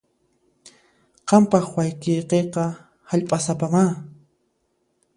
Qampaq wayqiykiqa hallp'asapamá.